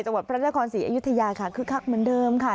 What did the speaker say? จังหวัดพระราชกรศรีอยุธยาค่ะคือคักเหมือนเดิมค่ะ